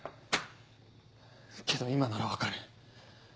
けど今なら分かる。